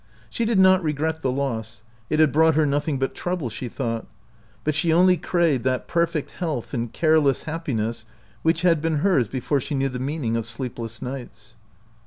She did not regret the loss ; it had brought her nothing but trouble, she thought ; but she only craved that perfect health and careless happiness which had been hers before she knew the meaning of sleepless nights.